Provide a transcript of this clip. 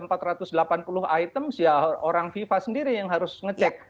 kalau dilihat satu satu ada empat ratus delapan puluh item ya orang viva sendiri yang harus ngecek